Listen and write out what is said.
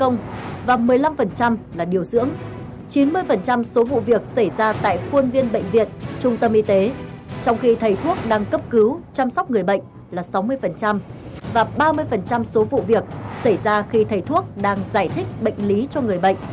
người nhà bệnh viện đã bị tấn công và chín mươi số vụ việc xảy ra khi thầy thuốc đang giải thích bệnh lý cho người bệnh